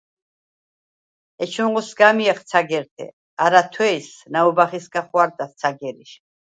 ეჩუნღო სგა̄მიეხ ცაგერთე. არა თუ̂ეუ̂ს ნაუ̂ბა̈ხისგა ხუ̂არდა̈ს ცაგერიშ.